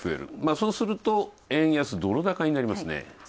そうすると円安・ドル高になりますね。